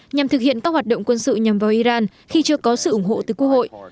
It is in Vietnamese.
nhằm thực hiện các hoạt động quân sự nhằm vào iran khi chưa có sự ủng hộ từ quốc hội